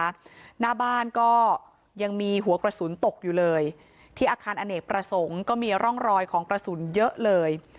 หน้าบ้านก็ยังมีหัวกระสุนตกอยู่เลยที่อาคารอเนกประสงค์ก็มีร่องรอยของกระสุนเยอะเลย